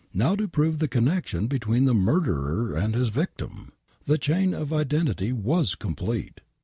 Now to prove the connection between the murderer and his victim !! The chain of identity was compleie